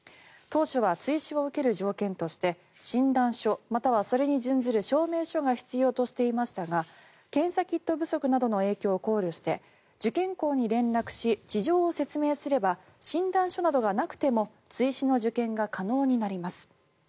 当初は追試を受ける条件として診断書またはそれに準ずる証明書が必要としていましたが検査キット不足などの影響を考慮して受験校に連絡し事情を説明すれば診断書などがなくても追試の受験が可能になります。